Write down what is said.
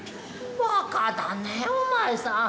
「バカだねぇお前さん」